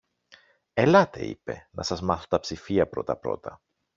Ελάτε, είπε, να σας μάθω τα ψηφία πρώτα-πρώτα.